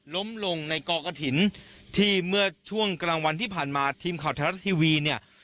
ล้มลงในกอกระถิ่นที่เมื่อช่วงกลางวันที่ผ่านมาทีมข่าวไทยรัฐทีวีเนี่ย